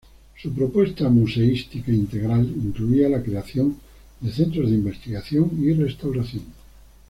Su propuesta museística integral incluía la creación de centros de investigación y restauración.